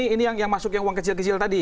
ini yang masuk yang uang kecil kecil tadi